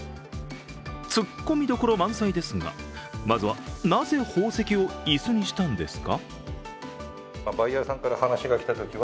突っ込みどころ満載ですが、まずはなぜ宝石を椅子にしたんですか？